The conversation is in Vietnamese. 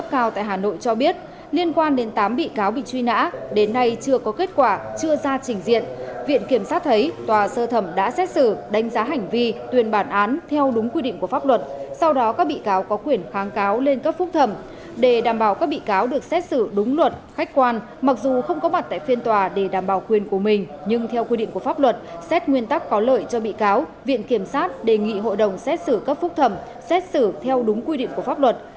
khách quan mặc dù không có mặt tại phiên tòa để đảm bảo quyền của mình nhưng theo quy định của pháp luật xét nguyên tắc có lợi cho bị cáo viện kiểm sát đề nghị hội đồng xét xử cấp phúc thẩm xét xử theo đúng quy định của pháp luật